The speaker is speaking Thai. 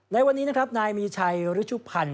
ในวันนี้นะครับนายมีชัยฤชุพันธ์